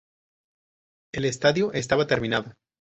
El estadio estaba terminado.